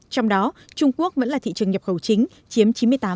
trong đó trung quốc vẫn là thị trường nhập khẩu chính chiếm chín mươi tám